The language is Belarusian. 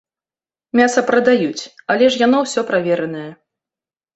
Мяса прадаюць, але ж яно ўсё праверанае.